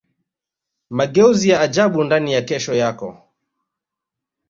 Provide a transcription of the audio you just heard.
mageuzi ya ajabu ndani ya kesho yako